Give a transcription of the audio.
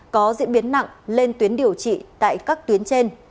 có diễn biến nặng lên tuyến điều trị tại các tuyến trên